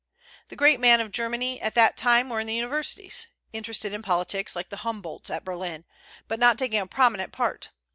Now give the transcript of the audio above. The great men of Germany at that time were in the universities, interested in politics, like the Humboldts at Berlin, but not taking a prominent part.